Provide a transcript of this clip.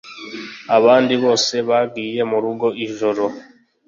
Abandi bose bagiye murugo ijoro.